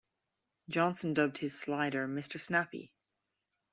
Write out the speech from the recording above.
Johnson dubbed his slider "Mr. Snappy".